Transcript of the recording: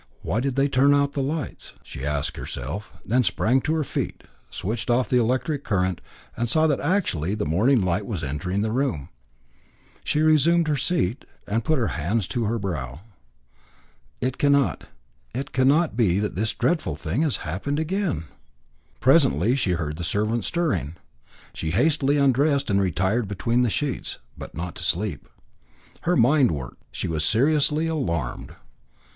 "Why did they turn out the lights?" she asked herself, then sprang to her feet, switched off the electric current, and saw that actually the morning light was entering the room. She resumed her seat; put her hands to her brow. "It cannot it cannot be that this dreadful thing has happened again." Presently she heard the servants stirring. She hastily undressed and retired between the sheets, but not to sleep. Her mind worked. She was seriously alarmed.